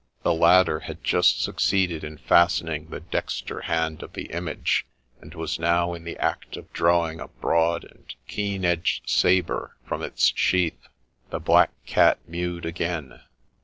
The latter had just succeeded in fastening the dexter hand of the image, and was now in the act of drawing a broad and keen edged sabre from its sheath. The Black Cat mewed again.